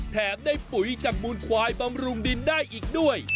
แถมได้ปุ๋ยจากมูลควายบำรุงดินได้อีกด้วย